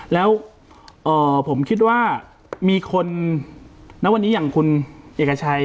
แล้วผมคิดว่ามีคนณวันนี้อย่างคุณเอกชัย